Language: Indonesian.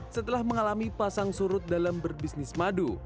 setelah mengalami pasang surut dalam berbisnis madu